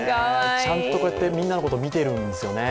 ちゃんとみんなのことを見ているんですよね。